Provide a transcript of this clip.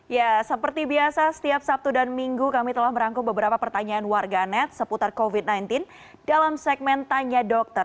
ya seperti biasa setiap sabtu dan minggu kami telah merangkum beberapa pertanyaan warganet seputar covid sembilan belas dalam segmen tanya dokter